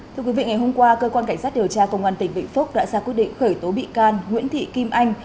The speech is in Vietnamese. thưa quý vị ngày hôm qua cơ quan cảnh sát điều tra công an tỉnh vĩnh phúc đã ra quyết định khởi tố bị can nguyễn thị kim anh